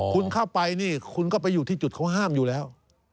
คุณเข้าไปนี่คุณก็ไปอยู่ที่จุดเขาห้ามอยู่แล้ว